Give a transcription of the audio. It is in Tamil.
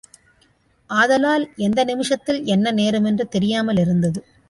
ஆதலால் எந்த நிமிஷத்தில் என்ன நேருமென்று தெரியாமலிருந்தது.